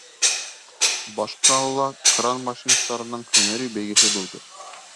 Баш ҡалала кран машинистарының һөнәри бәйгеһе булды